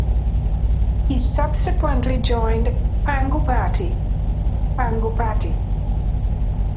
He subsequently joined Pangu Party (Pangu Pati).